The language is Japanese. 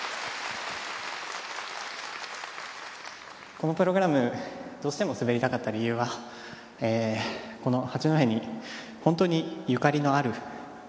このプログラムどうしても滑りたかった理由はこの八戸に本当にゆかりのあるプログラムです。